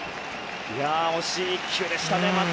惜しい１球でした。